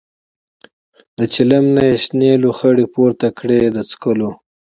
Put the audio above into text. له چلم نه یې شنې لوخړې پورته کړې د څکلو.